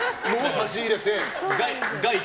差し入れって。